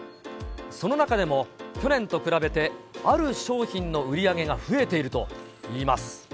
その中でも、去年と比べてある商品の売り上げが増えているといいます。